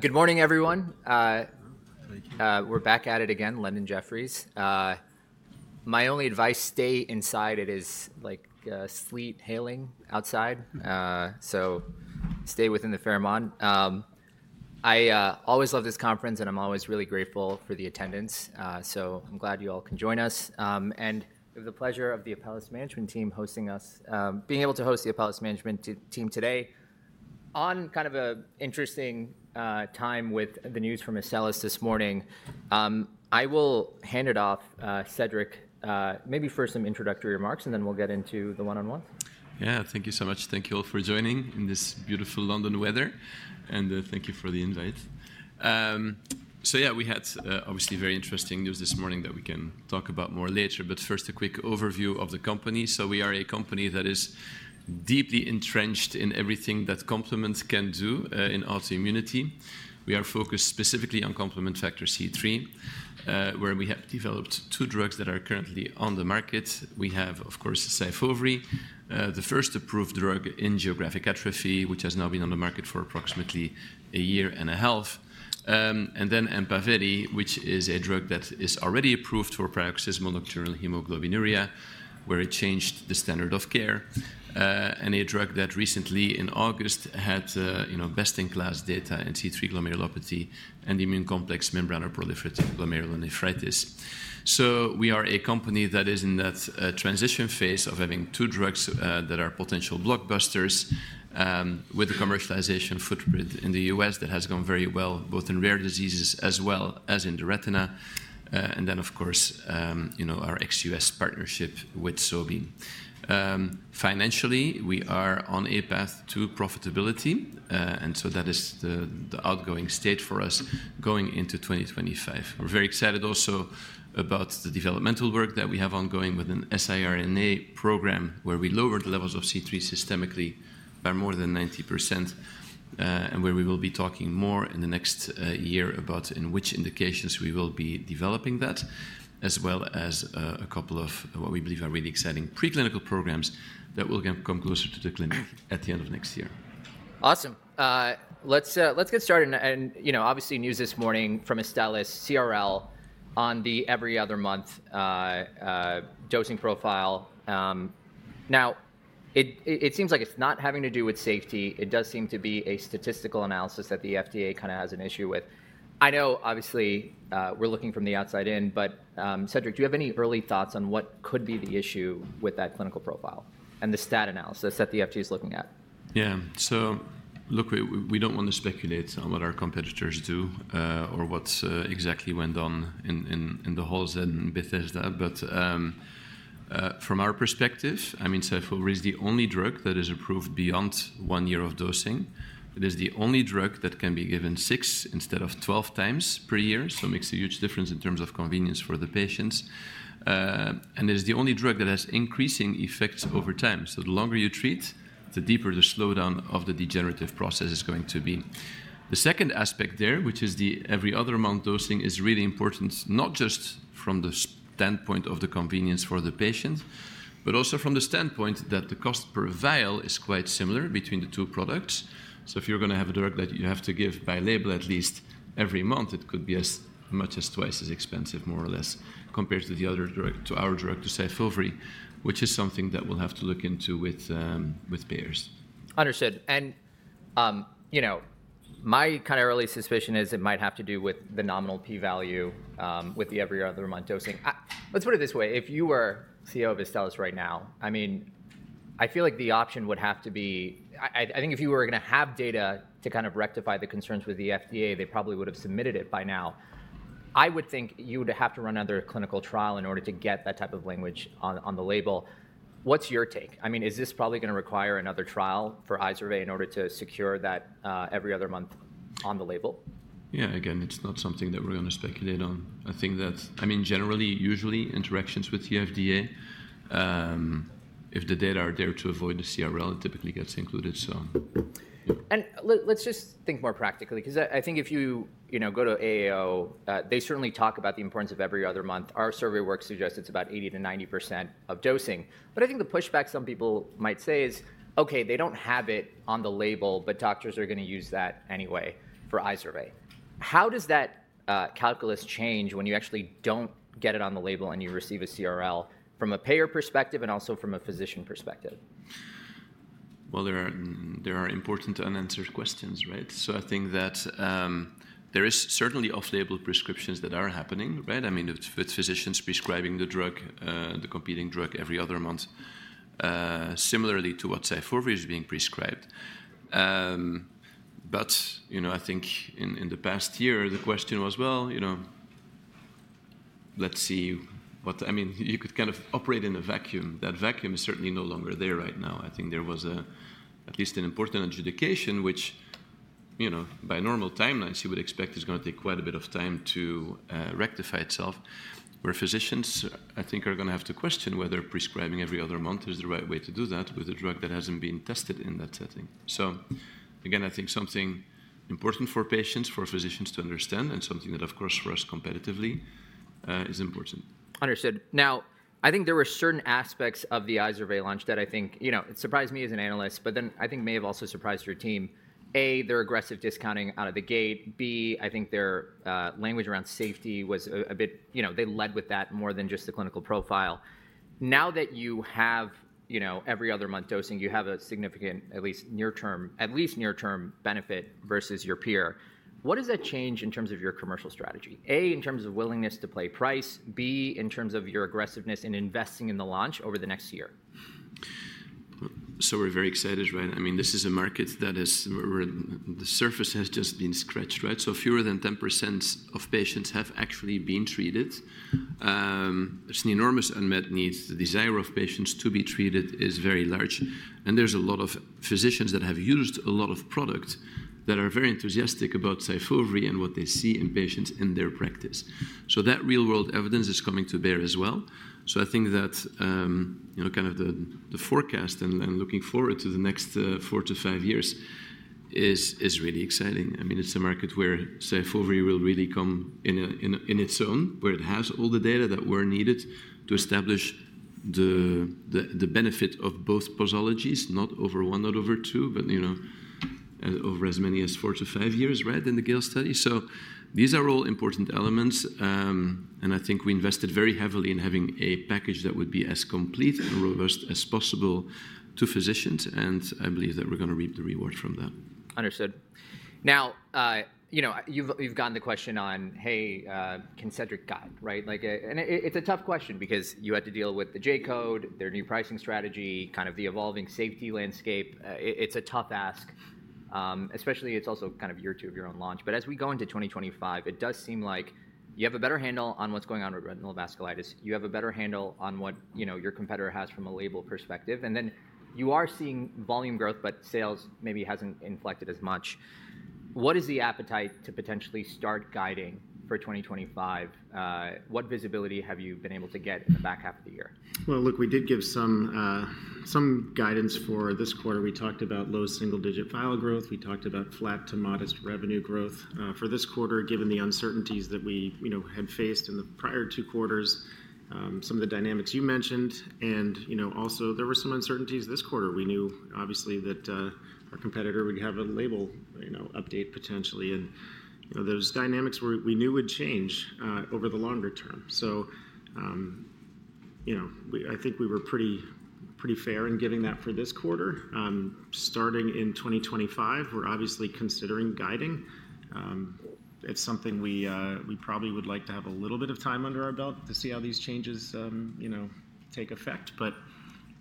Good morning, everyone. We're back at it again, London Jefferies. My only advice: stay inside. It is, like, sleet, hailing outside. Stay within the Fairmont. I always love this conference, and I'm always really grateful for the attendance. I'm glad you all can join us. The pleasure of the Apellis management team hosting us, being able to host the Apellis management team today on kind of an interesting time with the news from Astellas this morning. I will hand it off, Cedric, maybe for some introductory remarks, and then we'll get into the one-on-ones. Yeah, thank you so much. Thank you all for joining in this beautiful London weather, and thank you for the invite. So yeah, we had obviously very interesting news this morning that we can talk about more later, but first, a quick overview of the company. We are a company that is deeply entrenched in everything that complement can do in autoimmunity. We are focused specifically on complement factor C3, where we have developed two drugs that are currently on the market. We have, of course, Syfovre, the first approved drug in geographic atrophy, which has now been on the market for approximately a year and a half, and then Empaveli, which is a drug that is already approved for paroxysmal nocturnal hemoglobinuria, where it changed the standard of care. And a drug that recently, in August, had, you know, best-in-class data in C3 glomerulopathy and immune complex membranoproliferative glomerulonephritis. So we are a company that is in that transition phase of having two drugs that are potential blockbusters, with a commercialization footprint in the US that has gone very well, both in rare diseases as well as in the retina. And then, of course, you know, our ex-US partnership with Sobi. Financially, we are on a path to profitability. And so that is the outgoing state for us going into 2025. We're very excited also about the developmental work that we have ongoing with a siRNA program where we lowered the levels of C3 systemically by more than 90%, and where we will be talking more in the next year about in which indications we will be developing that, as well as a couple of what we believe are really exciting preclinical programs that will come closer to the clinic at the end of next year. Awesome. Let's get started. You know, obviously news this morning from Apellis CRL on the every other month dosing profile. Now, it seems like it's not having to do with safety. It does seem to be a statistical analysis that the FDA kind of has an issue with. I know, obviously, we're looking from the outside in, but, Cedric, do you have any early thoughts on what could be the issue with that clinical profile and the stat analysis that the FDA is looking at? Yeah, so look, we don't want to speculate on what our competitors do, or what exactly went on in the halls and Bethesda, but from our perspective, I mean, Syfovre is the only drug that is approved beyond one year of dosing. It is the only drug that can be given six instead of 12 times per year, so it makes a huge difference in terms of convenience for the patients, and it is the only drug that has increasing effects over time, so the longer you treat, the deeper the slowdown of the degenerative process is going to be. The second aspect there, which is the every other month dosing, is really important, not just from the standpoint of the convenience for the patient, but also from the standpoint that the cost per vial is quite similar between the two products. So if you're going to have a drug that you have to give by label at least every month, it could be as much as twice as expensive, more or less, compared to the other drug, to our drug, to Syfovre, which is something that we'll have to look into with payers. Understood. And, you know, my kind of early suspicion is it might have to do with the nominal p-value, with the every other month dosing. Let's put it this way. If you were CEO of Astellas right now, I mean, I feel like the option would have to be, I, I think if you were going to have data to kind of rectify the concerns with the FDA, they probably would have submitted it by now. I would think you would have to run another clinical trial in order to get that type of language on, on the label. What's your take? I mean, is this probably going to require another trial for Izervay in order to secure that, every other month on the label? Yeah, again, it's not something that we're going to speculate on. I think that, I mean, generally, usually interactions with the FDA, if the data are there to avoid the CRL, it typically gets included, so. Let's just think more practically, because I think if you, you know, go to AAO, they certainly talk about the importance of every other month. Our survey work suggests it's about 80%-90% of dosing. But I think the pushback some people might say is, okay, they don't have it on the label, but doctors are going to use that anyway for Izervay. How does that calculus change when you actually don't get it on the label and you receive a CRL from a payer perspective and also from a physician perspective? There are important unanswered questions, right? So I think that there is certainly off-label prescriptions that are happening, right? I mean, with physicians prescribing the drug, the competing drug every other month, similarly to what Syfovre is being prescribed. But, you know, I think in the past year, the question was, well, you know, let's see what, I mean, you could kind of operate in a vacuum. That vacuum is certainly no longer there right now. I think there was at least an important adjudication, which, you know, by normal timelines, you would expect is going to take quite a bit of time to rectify itself, where physicians, I think, are going to have to question whether prescribing every other month is the right way to do that with a drug that hasn't been tested in that setting. So again, I think something important for patients, for physicians to understand, and something that, of course, for us competitively, is important. Understood. Now, I think there were certain aspects of the Izervay launch that I think, you know, it surprised me as an analyst, but then I think may have also surprised your team. A, their aggressive discounting out of the gate. B, I think their, language around safety was a bit, you know, they led with that more than just the clinical profile. Now that you have, you know, every other month dosing, you have a significant, at least near-term, at least near-term benefit versus your peer. What does that change in terms of your commercial strategy? A, in terms of willingness to play price? B, in terms of your aggressiveness in investing in the launch over the next year? So we're very excited, right? I mean, this is a market that is, we're, the surface has just been scratched, right? So fewer than 10% of patients have actually been treated. It's an enormous unmet need. The desire of patients to be treated is very large. And there's a lot of physicians that have used a lot of product that are very enthusiastic about Syfovre and what they see in patients in their practice. So that real-world evidence is coming to bear as well. So I think that, you know, kind of the forecast and looking forward to the next four to five years is really exciting. I mean, it's a market where Syfovre will really come in its own, where it has all the data that were needed to establish the benefit of both dosages, not over one, not over two, but, you know, over as many as four to five years, right, in the GALE study. So these are all important elements. And I think we invested very heavily in having a package that would be as complete and robust as possible to physicians. And I believe that we're going to reap the reward from that. Understood. Now, you know, you've gotten the question on, hey, can Cedric guide, right? Like, and it's a tough question because you had to deal with the J-code, their new pricing strategy, kind of the evolving safety landscape. It's a tough ask. Especially it's also kind of year two of your own launch. But as we go into 2025, it does seem like you have a better handle on what's going on with retinal vasculitis. You have a better handle on what, you know, your competitor has from a label perspective. And then you are seeing volume growth, but sales maybe hasn't inflected as much. What is the appetite to potentially start guiding for 2025? What visibility have you been able to get in the back half of the year? Look, we did give some guidance for this quarter. We talked about low single-digit fill growth. We talked about flat to modest revenue growth for this quarter, given the uncertainties that we, you know, had faced in the prior two quarters, some of the dynamics you mentioned. You know, also there were some uncertainties this quarter. We knew, obviously, that our competitor would have a label, you know, update potentially. You know, those dynamics we knew would change over the longer term. You know, we, I think we were pretty fair in giving that for this quarter. Starting in 2025, we're obviously considering guiding. It's something we probably would like to have a little bit of time under our belt to see how these changes, you know, take effect, but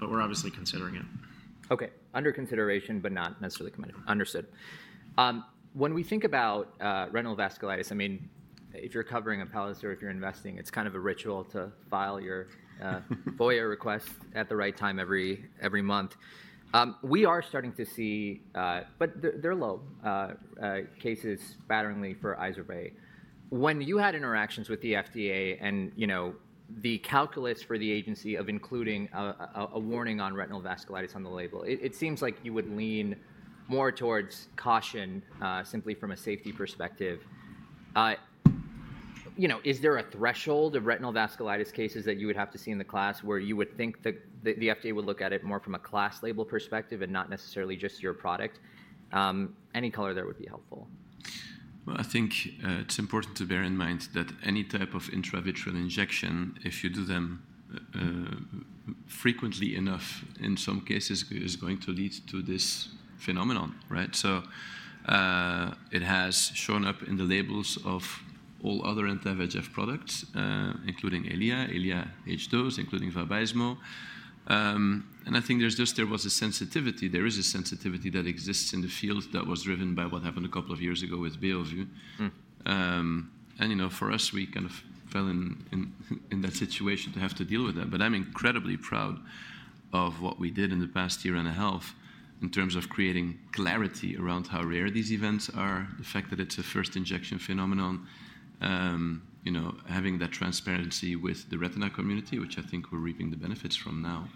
we're obviously considering it. Okay. Under consideration, but not necessarily committed. Understood. When we think about retinal vasculitis, I mean, if you're covering Apellis or if you're investing, it's kind of a ritual to file your FOIA request at the right time every month. We are starting to see but they're low cases for Izervay. When you had interactions with the FDA and, you know, the calculus for the agency of including a warning on retinal vasculitis on the label, it seems like you would lean more towards caution, simply from a safety perspective. You know, is there a threshold of retinal vasculitis cases that you would have to see in the class where you would think that the FDA would look at it more from a class label perspective and not necessarily just your product? Any color there would be helpful. I think it's important to bear in mind that any type of intravitreal injection, if you do them frequently enough in some cases, is going to lead to this phenomenon, right? So, it has shown up in the labels of all other anti-VEGF products, including Eylea, Eylea HD, including Vabysmo, and I think there's just a sensitivity. There is a sensitivity that exists in the field that was driven by what happened a couple of years ago with Beovu, and you know, for us, we kind of fell in that situation to have to deal with that. But I'm incredibly proud of what we did in the past year and a half in terms of creating clarity around how rare these events are, the fact that it's a first injection phenomenon, you know, having that transparency with the retina community, which I think we're reaping the benefits from now,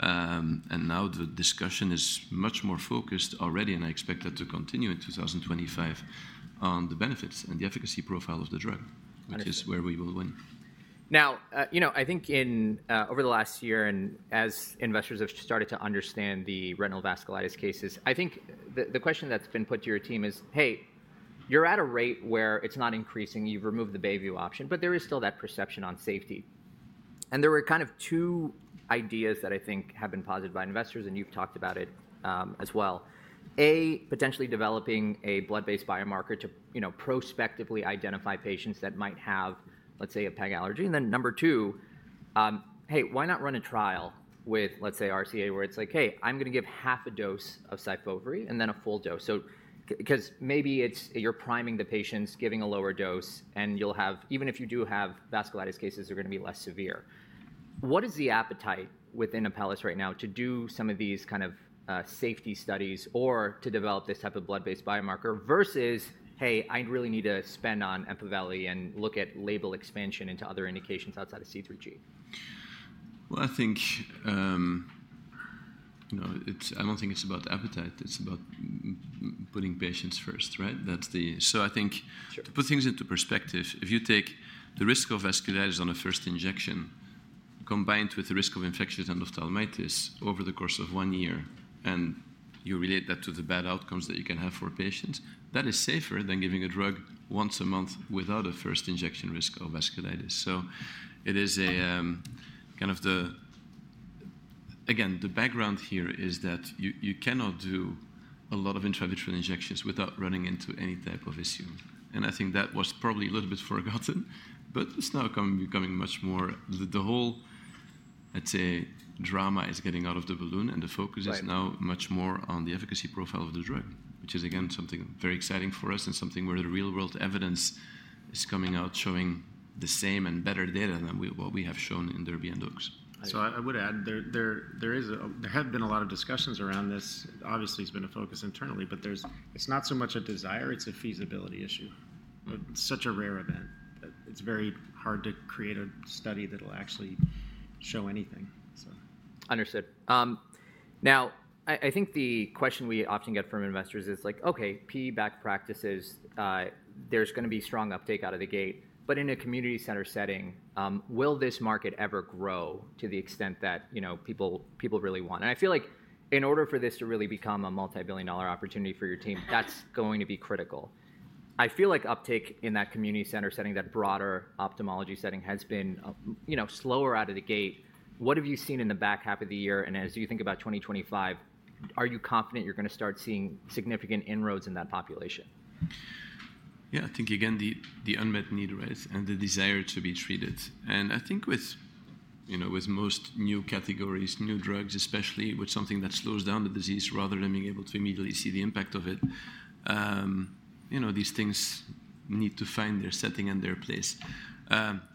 and now the discussion is much more focused already, and I expect that to continue in 2025 on the benefits and the efficacy profile of the drug, which is where we will win. Now, you know, I think in over the last year and as investors have started to understand the retinal vasculitis cases, I think the question that's been put to your team is, hey, you're at a rate where it's not increasing, you've removed the Beovu option, but there is still that perception on safety. And there were kind of two ideas that I think have been posited by investors, and you've talked about it, as well. A, potentially developing a blood-based biomarker to, you know, prospectively identify patients that might have, let's say, a PEG allergy. And then number two, hey, why not run a trial with, let's say, RCA where it's like, hey, I'm going to give half a dose of Syfovre and then a full dose. So because maybe it's, you're priming the patients, giving a lower dose, and you'll have, even if you do have vasculitis cases, they're going to be less severe. What is the appetite within Apellis right now to do some of these kind of safety studies or to develop this type of blood-based biomarker versus hey, I really need to spend on Empaveli and look at label expansion into other indications outside of C3G? I think, you know, it's. I don't think it's about appetite. It's about putting patients first, right? So I think to put things into perspective, if you take the risk of vasculitis on a first injection combined with the risk of infectious endophthalmitis over the course of one year and you relate that to the bad outcomes that you can have for patients, that is safer than giving a drug once a month without a first injection risk of vasculitis. So it is a kind of. Again, the background here is that you cannot do a lot of intravitreal injections without running into any type of issue. I think that was probably a little bit forgotten, but it's now becoming much more, the whole, let's say, drama is getting out of the balloon and the focus is now much more on the efficacy profile of the drug, which is again something very exciting for us and something where the real-world evidence is coming out showing the same and better data than what we have shown in DERBY and OAKS. So I would add there had been a lot of discussions around this. Obviously, it's been a focus internally, but it's not so much a desire, it's a feasibility issue. It's such a rare event that it's very hard to create a study that'll actually show anything. Understood. Now, I think the question we often get from investors is like, okay, big AC practices, there's going to be strong uptake out of the gate, but in a community setting, will this market ever grow to the extent that, you know, people really want? I feel like in order for this to really become a multi-billion dollar opportunity for your team, that's going to be critical. I feel like uptake in that community setting, that broader ophthalmology setting has been, you know, slower out of the gate. What have you seen in the back half of the year? And as you think about 2025, are you confident you're going to start seeing significant inroads in that population? Yeah, I think again, the unmet need, right? And the desire to be treated. And I think with, you know, with most new categories, new drugs, especially with something that slows down the disease rather than being able to immediately see the impact of it, you know, these things need to find their setting and their place.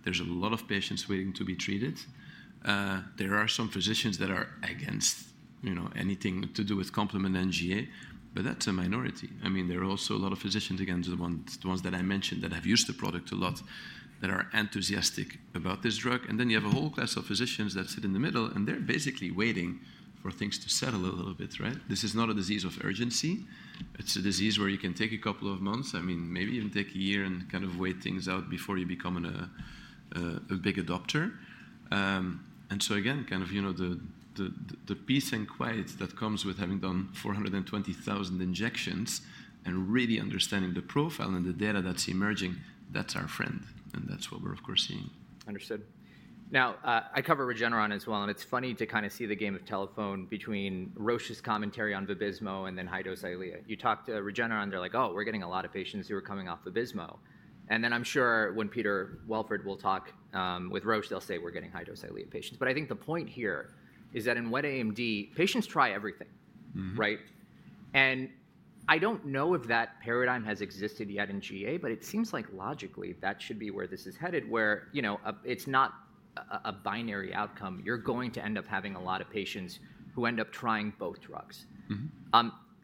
There's a lot of patients waiting to be treated. There are some physicians that are against, you know, anything to do with complement in GA, but that's a minority. I mean, there are also a lot of physicians against the ones that I mentioned that have used the product a lot that are enthusiastic about this drug. And then you have a whole class of physicians that sit in the middle and they're basically waiting for things to settle a little bit, right? This is not a disease of urgency. It's a disease where you can take a couple of months, I mean, maybe even take a year and kind of wait things out before you become a big adopter, and so again, kind of, you know, the peace and quiet that comes with having done 420,000 injections and really understanding the profile and the data that's emerging, that's our friend, and that's what we're, of course, seeing. Understood. Now, I cover Regeneron as well, and it's funny to kind of see the game of telephone between Roche's commentary on Vabysmo and then high-dose Eylea. You talk to Regeneron, they're like, oh, we're getting a lot of patients who are coming off Vabysmo. And then I'm sure when Peter Welford will talk, with Roche, they'll say we're getting high-dose Eylea patients. But I think the point here is that in wet AMD, patients try everything, right? And I don't know if that paradigm has existed yet in GA, but it seems like logically that should be where this is headed, where, you know, it's not a binary outcome. You're going to end up having a lot of patients who end up trying both drugs.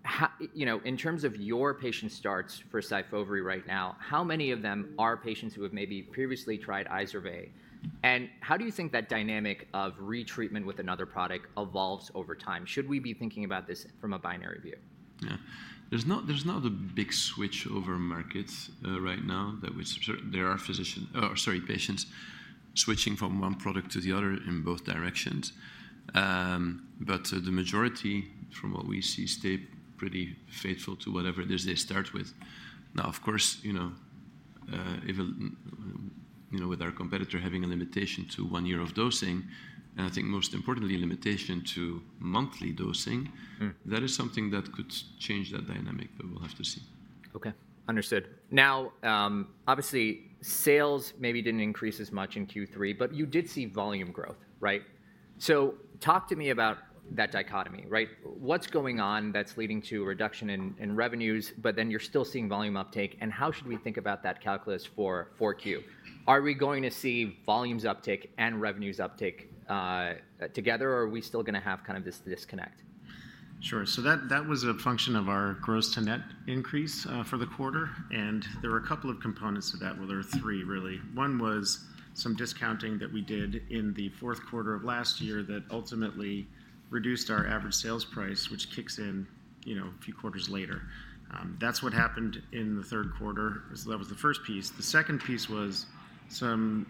How, you know, in terms of your patient starts for Syfovre right now, how many of them are patients who have maybe previously tried Izervay? And how do you think that dynamic of retreatment with another product evolves over time? Should we be thinking about this from a binary view? Yeah. There's not a big switch over markets right now that we're certain there are physicians, or sorry, patients switching from one product to the other in both directions. But the majority from what we see stay pretty faithful to whatever it is they start with. Now, of course, you know, even, you know, with our competitor having a limitation to one year of dosing, and I think most importantly, limitation to monthly dosing, that is something that could change that dynamic, but we'll have to see. Okay. Understood. Now, obviously sales maybe didn't increase as much in Q3, but you did see volume growth, right? So talk to me about that dichotomy, right? What's going on that's leading to a reduction in revenues, but then you're still seeing volume uptake. And how should we think about that calculus for Q? Are we going to see volumes uptake and revenues uptake, together, or are we still going to have kind of this disconnect? Sure. So that was a function of our gross-to-net increase for the quarter. And there were a couple of components to that. Well, there were three really. One was some discounting that we did in the fourth quarter of last year that ultimately reduced our average sales price, which kicks in, you know, a few quarters later. That's what happened in the third quarter is that was the first piece. The second piece was some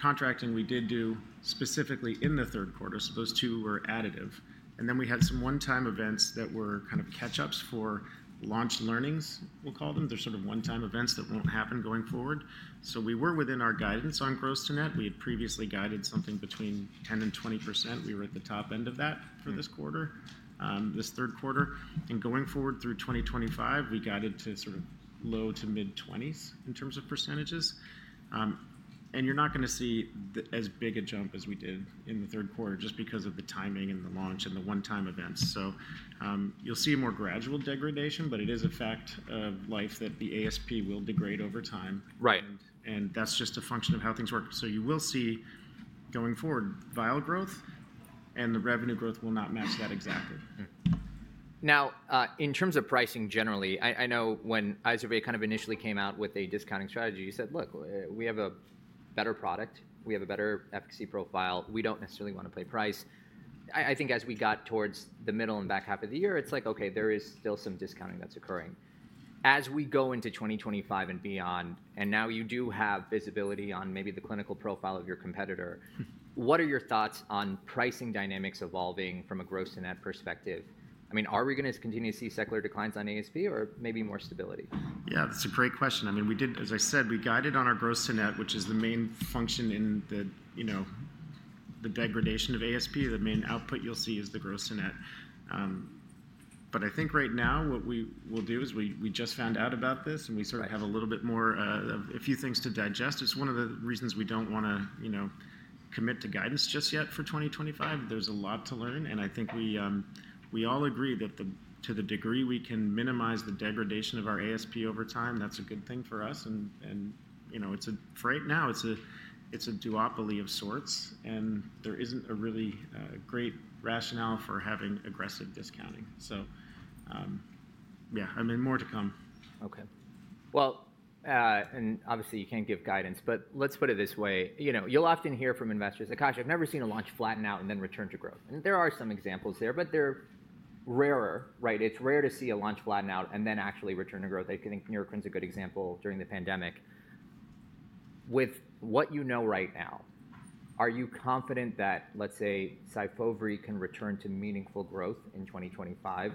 contracting we did do specifically in the third quarter. So those two were additive. And then we had some one-time events that were kind of catch-ups for launch learnings, we'll call them. They're sort of one-time events that won't happen going forward. So we were within our guidance on gross-to-net. We had previously guided something between 10%-20%. We were at the top end of that for this quarter, this third quarter, and going forward through 2025, we guided to sort of low- to mid-20s% in terms of %. And you're not going to see as big a jump as we did in the third quarter just because of the timing and the launch and the one-time events, so you'll see more gradual degradation, but it is a fact of life that the ASP will degrade over time. Right. That's just a function of how things work. You will see going forward, vial growth and the revenue growth will not match that exactly. Now, in terms of pricing generally, I, I know when Izervay kind of initially came out with a discounting strategy, you said, look, we have a better product, we have a better efficacy profile, we don't necessarily want to play price. I, I think as we got towards the middle and back half of the year, it's like, okay, there is still some discounting that's occurring. As we go into 2025 and beyond, and now you do have visibility on maybe the clinical profile of your competitor, what are your thoughts on pricing dynamics evolving from a gross to net perspective? I mean, are we going to continue to see secular declines on ASP or maybe more stability? Yeah, that's a great question. I mean, we did, as I said, we guided on our gross to net, which is the main function in the, you know, the degradation of ASP. The main output you'll see is the gross to net. But I think right now what we will do is we just found out about this and we sort of have a little bit more, a few things to digest. It's one of the reasons we don't want to, you know, commit to guidance just yet for 2025. There's a lot to learn. And I think we all agree that to the degree we can minimize the degradation of our ASP over time, that's a good thing for us. And, you know, it's a duopoly of sorts. And there isn't a really great rationale for having aggressive discounting. So, yeah, I mean, more to come. Okay. Well, and obviously you can't give guidance, but let's put it this way. You know, you'll often hear from investors, gosh, I've never seen a launch flatten out and then return to growth. And there are some examples there, but they're rarer, right? It's rare to see a launch flatten out and then actually return to growth. I think Neurocrine is a good example during the pandemic. With what you know right now, are you confident that, let's say, Syfovre can return to meaningful growth in 2025?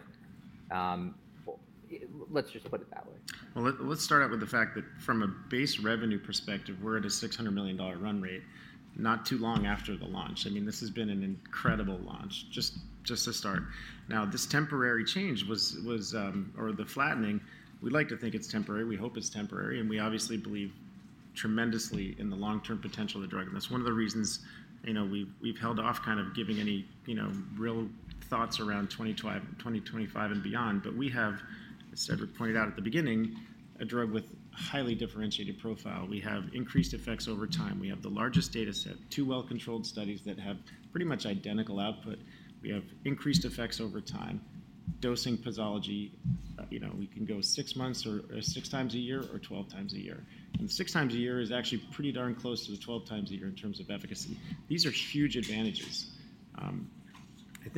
Let's just put it that way. Let's start out with the fact that from a base revenue perspective, we're at a $600 million run rate, not too long after the launch. I mean, this has been an incredible launch, just to start. Now, this temporary change was, or the flattening, we'd like to think it's temporary. We hope it's temporary, and we obviously believe tremendously in the long-term potential of the drug, and that's one of the reasons, you know, we've held off kind of giving any, you know, real thoughts around 2025 and beyond, but we have, as Cedric pointed out at the beginning, a drug with a highly differentiated profile. We have increased effects over time. We have the largest data set, two well-controlled studies that have pretty much identical output. We have increased effects over time, dosing flexibility, you know, we can go six months or six times a year or 12 times a year. Six times a year is actually pretty darn close to the 12 times a year in terms of efficacy. These are huge advantages.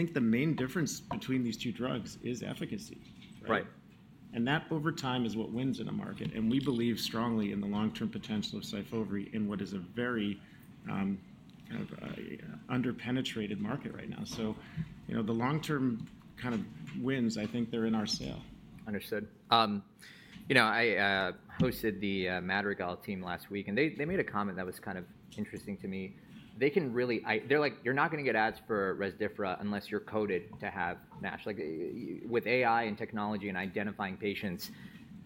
I think the main difference between these two drugs is efficacy, right? Right. That over time is what wins in a market. We believe strongly in the long-term potential of Syfovre in what is a very, kind of, under-penetrated market right now. You know, the long-term kind of wins, I think they're in our sale. Understood. You know, I hosted the Madrigal team last week and they made a comment that was kind of interesting to me. They can really. They're like, you're not going to get ads for Resdifra unless you're coded to have MASH. Like with AI and technology and identifying patients,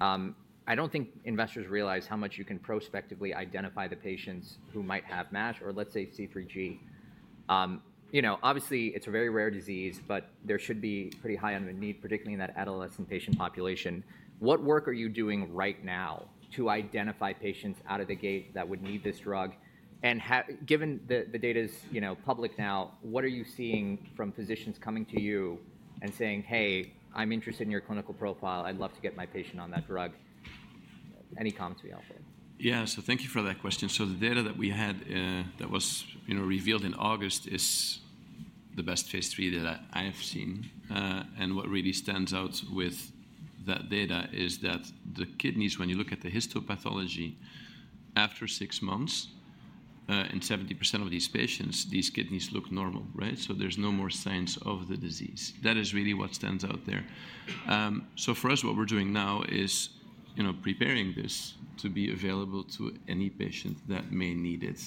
I don't think investors realize how much you can prospectively identify the patients who might have MASH or let's say C3G. You know, obviously it's a very rare disease, but there should be pretty high unmet need, particularly in that adolescent patient population. What work are you doing right now to identify patients out of the gate that would need this drug? And given the data's, you know, public now, what are you seeing from physicians coming to you and saying, hey, I'm interested in your clinical profile. I'd love to get my patient on that drug. Any comments we offer. Yeah. So thank you for that question. So the data that we had, that was, you know, revealed in August is the best phase three data I've seen. And what really stands out with that data is that the kidneys, when you look at the histopathology after six months, in 70% of these patients, these kidneys look normal, right? So there's no more signs of the disease. That is really what stands out there. So for us, what we're doing now is, you know, preparing this to be available to any patient that may need it.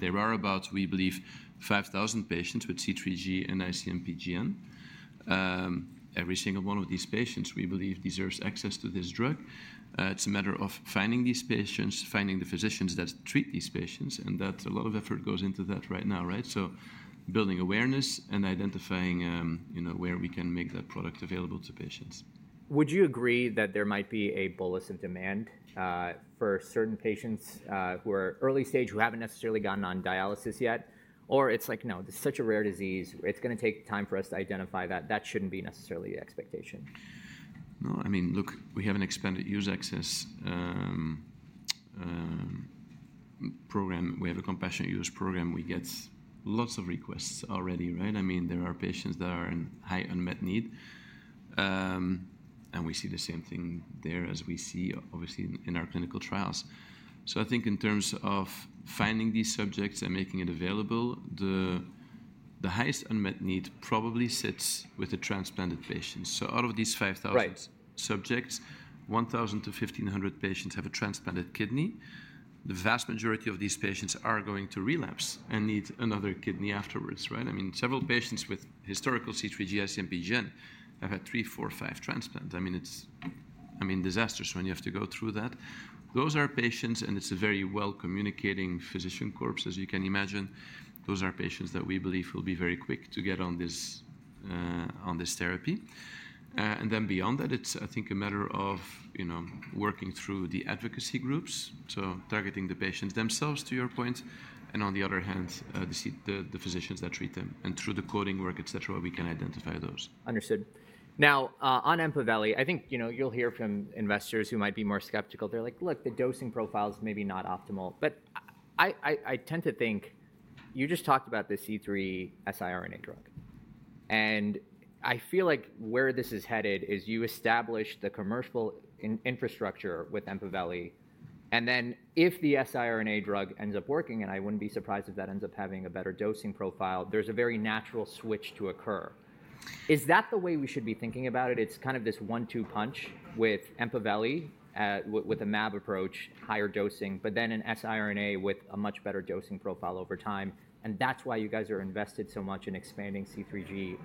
There are about, we believe, 5,000 patients with C3G and IC-MPGN. Every single one of these patients, we believe, deserves access to this drug. It's a matter of finding these patients, finding the physicians that treat these patients. And that's a lot of effort goes into that right now, right? Building awareness and identifying, you know, where we can make that product available to patients. Would you agree that there might be a bulge of demand for certain patients who are early stage, who haven't necessarily gotten on dialysis yet, or it's like, no, this is such a rare disease, it's going to take time for us to identify that, that shouldn't be necessarily the expectation? No, I mean, look, we have an expanded use access program. We have a compassionate use program. We get lots of requests already, right? I mean, there are patients that are in high unmet need, and we see the same thing there as we see obviously in our clinical trials. So I think in terms of finding these subjects and making it available, the highest unmet need probably sits with the transplanted patients. So out of these 5,000 subjects, 1,000-1,500 patients have a transplanted kidney. The vast majority of these patients are going to relapse and need another kidney afterwards, right? I mean, several patients with historical C3G, IC-MPGN have had three, four, five transplants. I mean, it's, I mean, disastrous when you have to go through that. Those are patients, and it's a very well-communicating physician corps, as you can imagine. Those are patients that we believe will be very quick to get on this therapy. And then beyond that, it's, I think, a matter of, you know, working through the advocacy groups. So targeting the patients themselves, to your point. And on the other hand, the physicians that treat them and through the coding work, et cetera, we can identify those. Understood. Now, on Empaveli, I think, you know, you'll hear from investors who might be more skeptical. They're like, look, the dosing profile is maybe not optimal, but I tend to think you just talked about the C3 siRNA drug. And I feel like where this is headed is you establish the commercial infrastructure with Empaveli. And then if the siRNA drug ends up working, and I wouldn't be surprised if that ends up having a better dosing profile, there's a very natural switch to occur. Is that the way we should be thinking about it? It's kind of this one-two punch with Empaveli, with a mAb approach, higher dosing, but then a siRNA with a much better dosing profile over time. And that's why you guys are invested so much in expanding C3G,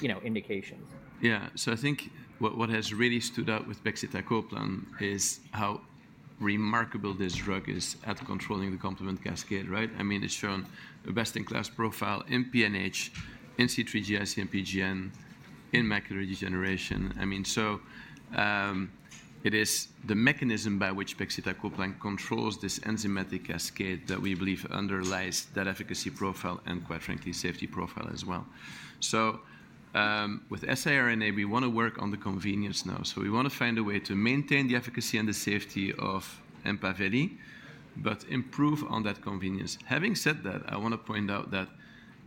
you know, indications. Yeah. So I think what has really stood out with pegcetacoplan is how remarkable this drug is at controlling the complement cascade, right? I mean, it's shown a best-in-class profile in PNH, in C3G, IC-MPGN, in macular degeneration. I mean, so, it is the mechanism by which pegcetacoplan controls this enzymatic cascade that we believe underlies that efficacy profile and, quite frankly, safety profile as well. So, with siRNA, we want to work on the convenience now. So we want to find a way to maintain the efficacy and the safety of Empaveli, but improve on that convenience. Having said that, I want to point out that,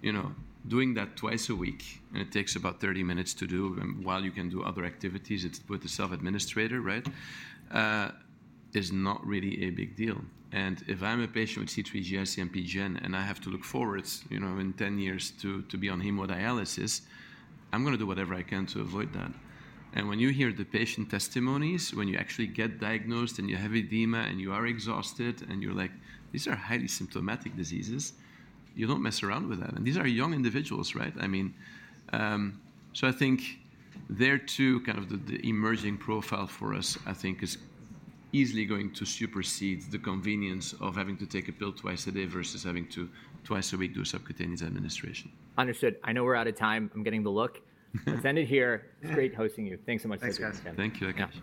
you know, doing that twice a week, and it takes about 30 minutes to do, and while you can do other activities, it's with the self-administration, right? Is not really a big deal. And if I'm a patient with C3G, IC-MPGN and I have to look forward, you know, in 10 years to be on hemodialysis, I'm going to do whatever I can to avoid that. And when you hear the patient testimonies, when you actually get diagnosed and you have edema and you are exhausted and you're like, these are highly symptomatic diseases, you don't mess around with that. And these are young individuals, right? I mean, so I think there too, kind of the emerging profile for us, I think is easily going to supersede the convenience of having to take a pill twice a day versus having to twice a week do a subcutaneous administration. Understood. I know we're out of time. I'm getting the look. Let's end it here. It's great hosting you. Thanks so much, Cedric. Thank you.